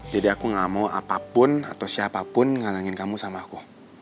jadi aku gak mau apapun atau siapapun ngalangin kamu sama aku